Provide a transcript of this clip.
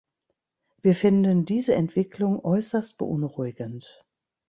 Wir finden diese Entwicklung äußerst beunruhigend.